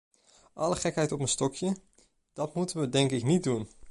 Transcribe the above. Alle gekheid op een stokje: dat moeten we denk ik niet doen.